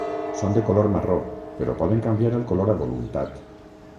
Són de color marró però poden canviar el color a voluntat.